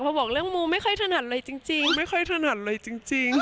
พอบอกเรื่องมูไม่ค่อยถนัดเลยจริงไม่ค่อยถนัดเลยจริง